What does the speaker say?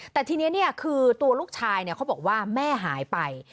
แต่ทีนี้คือตัวลูกชายเขาบอกว่าแม่หายไป